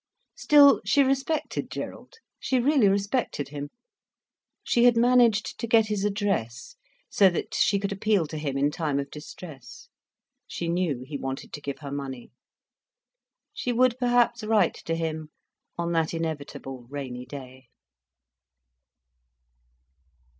Still, she respected Gerald, she really respected him. She had managed to get his address, so that she could appeal to him in time of distress. She knew he wanted to give her money. She would perhaps write to him on that inevitable rainy day.